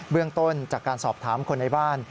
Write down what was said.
เรื่องต้นจากการสอบถามคนในบ้าน